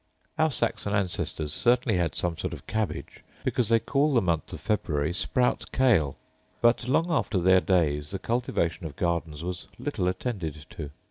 Our Saxon ancestors certainly had some sort of cabbage, because they call the month of February sprout cale; but, long after their days, the cultivation of gardens was little attended to.